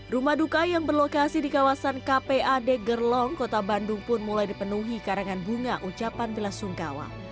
rumah duka yang berlokasi di kawasan kpad gerlong kota bandung pun mulai dipenuhi karangan bunga ucapan bela sungkawa